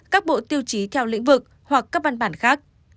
các bộ tiêu chí theo lĩnh vực hoặc các văn bản khác